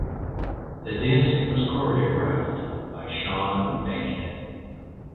The dancing was choreographed by Sean Bankhead.